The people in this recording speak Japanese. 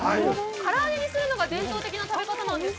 唐揚げにするのが伝統的な食べ方なんですか？